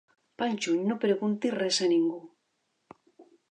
Pel juny no preguntis res a ningú.